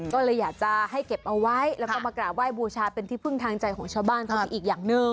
ก็เลยอยากจะให้เก็บเอาไว้แล้วก็มากราบไห้บูชาเป็นที่พึ่งทางใจของชาวบ้านเขามีอีกอย่างหนึ่ง